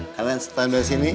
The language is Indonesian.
kalian standby sini